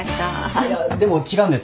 あっいやでも違うんです。